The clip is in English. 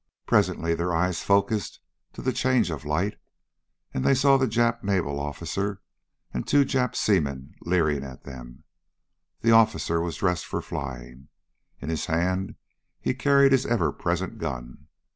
Presently their eyes focussed to the change of light and they saw the Jap naval officer and two Jap seamen leering at them. The officer was dressed for flying. In his hand he carried his ever present gun.